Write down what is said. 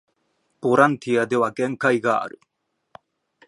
ボランティアでは限界がある